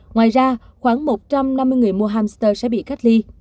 ngoài ra khoảng một trăm năm mươi người mua hamster sẽ bị cách ly